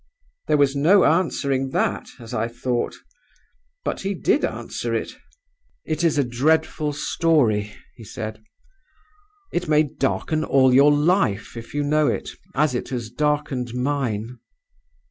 "There was no answering that, as I thought. But he did answer it. "'It is a dreadful story,' he said. 'It may darken all your life, if you know it, as it has darkened mine.